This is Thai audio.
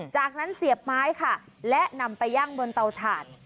จากนั้นเสียบไม้ค่ะและนำไปย่างบนเตาถ่าน